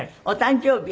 お誕生日？